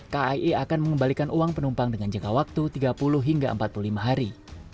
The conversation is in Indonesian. kai akan mengembalikan uang penumpang dengan jangka waktu tiga puluh hingga empat puluh lima hari